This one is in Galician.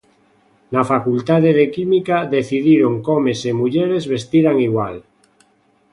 Na facultade de Química decidiron que homes e mulleres vestiran igual.